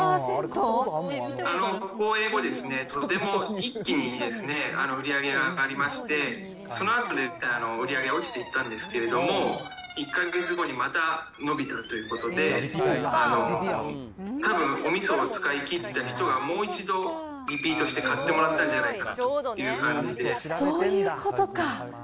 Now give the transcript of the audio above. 放映後、とても一気にですね、売り上げが上がりまして、そのあとに売り上げ落ちていったんですけど、１か月後にまた伸びたということで、たぶん、おみそを使いきった人がもう一度リピートして買ってもらったんじそういうことか。